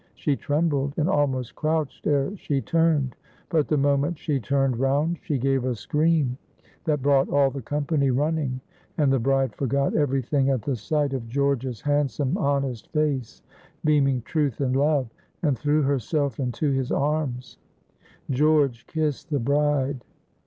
She trembled and almost crouched ere she turned; but the moment she turned round she gave a scream that brought all the company running, and the bride forgot everything at the sight of George's handsome, honest face beaming truth and love, and threw herself into his arms. George kissed the bride.